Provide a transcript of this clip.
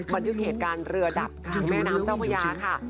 บันทึกเหตุการณ์เรือดับกลางแม่น้ำเจ้าพญาค่ะ